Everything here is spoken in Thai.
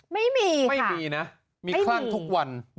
ไม่มีค่ะไม่มีนะมีคร่องทุกวันไม่มี